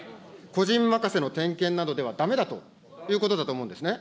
個人任せの点検などではだめだということだと思うんですね。